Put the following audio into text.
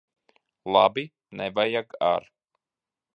Labi! Nevajag ar'.